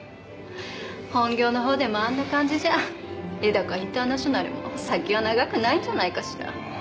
本業のほうでもあんな感じじゃ絵高インターナショナルも先は長くないんじゃないかしら。